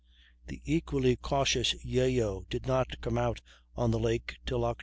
The equally cautious Yeo did not come out on the lake till Oct.